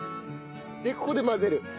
でここで混ぜる？